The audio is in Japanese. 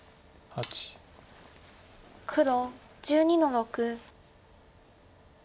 黒１２の六。